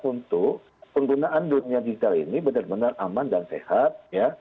untuk penggunaan dunia digital ini benar benar aman dan sehat ya